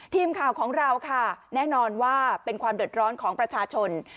ทีมข่าวของเราค่ะแน่นอนว่าเป็นความเดือดร้อนของประชาชน